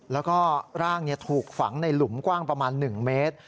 แล้วก็ร่างถูกฝังในหลุมกว้างประมาณ๑เมตร